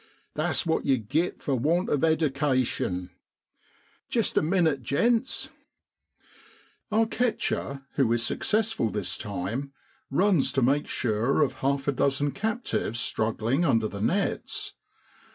That's what ye git for want of eddication * Jest a minnit, gents Our catcher, who is successful this time, runs to make sure of half a dozen captives struggling under the nets.